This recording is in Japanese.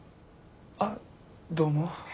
あどうも。